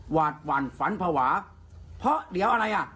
วาดหวั่นฝันภาวะเพราะเดี๋ยวอะไรอ่ะ